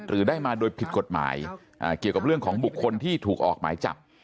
หรือได้มาโดยผิดกฎหมายเกี่ยวกับเรื่องของบุคคลที่ถูกออกหมายจับ